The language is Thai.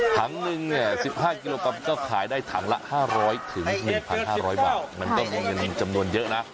ถังหนึ่งเนี่ย๑๕กิโลกรัมก็ขายได้ถังละ๕๐๐๑๕๐๐บาทมันก็มีเงินจำนวนเยอะนะ